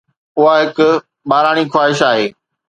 اها هڪ ٻاراڻي خواهش آهي.